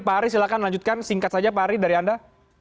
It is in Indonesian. pak ari silahkan lanjutkan singkat saja pak ari dari anda